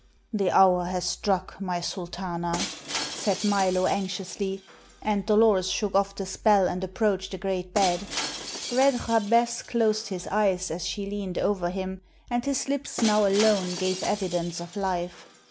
"The hour has struck, my Sultana," said Milo anxiously, and Dolores shook off the spell and approached the great bed. Red Jabez closed his eyes as she leaned over him, and his lips now alone gave evidence of life.